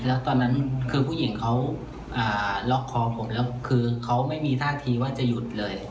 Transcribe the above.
แล้วตอนนั้นคือผู้หญิงเขาล็อกคอผมแล้วคือเขาไม่มีท่าทีว่าจะหยุดเลย